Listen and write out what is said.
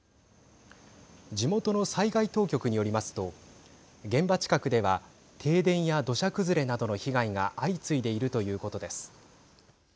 地元の災害当局によりますと現場近くでは停電や土砂崩れなどの被害が相次いでいるということです。